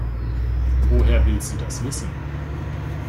Woher will sie das wissen?